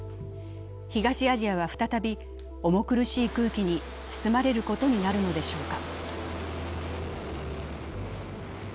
東アジアは再び重苦しい空気に包まれることになるのでしょうか。